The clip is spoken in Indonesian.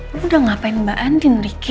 lo udah ngapain mbak andin riki